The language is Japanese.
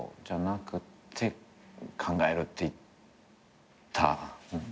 じゃなくて考えるっていった。